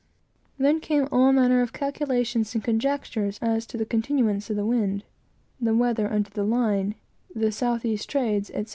Then came all manner of calculations and conjectures as to the continuance of the wind, the weather under the line, the south east trades, etc.